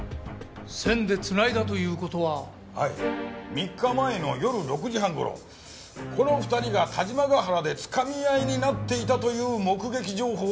３日前の夜６時半頃この２人が田島ヶ原で掴み合いになっていたという目撃情報を得ました。